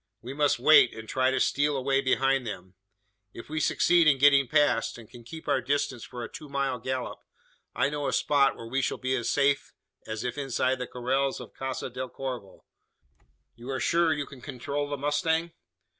We must wait, and try to steal away behind them. If we succeed in getting past, and can keep our distance for a two mile gallop, I know a spot, where we shall be as safe as if inside the corrals of Casa del Corvo. You are sure you can control the mustang?"